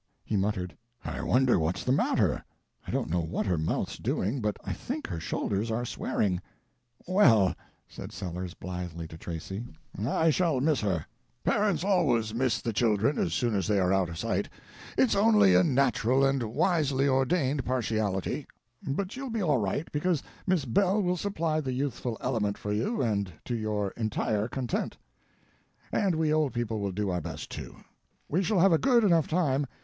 He muttered, "I wonder what's the matter; I don't know what her mouth's doing, but I think her shoulders are swearing. Well," said Sellers blithely to Tracy, "I shall miss her—parents always miss the children as soon as they're out of sight, it's only a natural and wisely ordained partiality—but you'll be all right, because Miss Belle will supply the youthful element for you and to your entire content; and we old people will do our best, too. We shall have a good enough time.